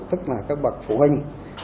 tức là các bậc phụ huynh